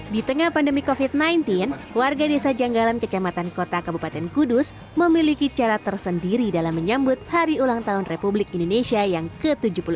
di tengah pandemi covid sembilan belas warga desa janggalan kecamatan kota kabupaten kudus memiliki cara tersendiri dalam menyambut hari ulang tahun republik indonesia yang ke tujuh puluh delapan